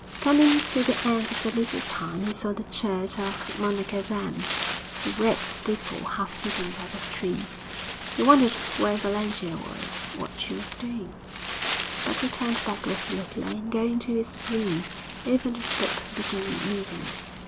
Coming to the end of the little town he saw the church of Monnickendam, the red steeple half hidden by the trees. He wondered where Valentia was what she was doing. But he turned back resolutely, and, going to his room, opened his books and began reading.